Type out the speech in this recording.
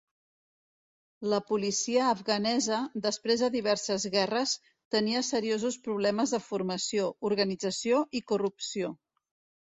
La policia afganesa, després de diverses guerres, tenia seriosos problemes de formació, organització i corrupció.